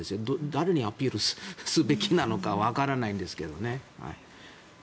誰にアピールするべきなのかわからないんですけどね。